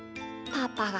パパが？